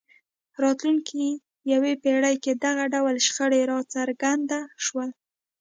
راتلونکې یوې پېړۍ کې دغه ډول شخړې راڅرګند شول.